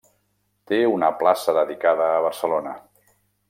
Té una plaça dedicada a Barcelona.